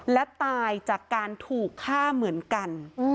และตายจากการถูกฆ่าเหมือนกัน